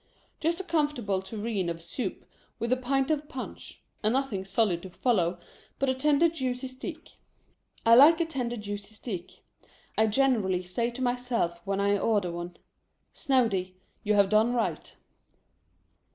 Just a comfortable tureen of soup, with a pint of punch, and nothing solid to follow, but a tender juicy steat. I like a tender juicy steak. I generally say to myself when I order one, "Snoady, you have done right."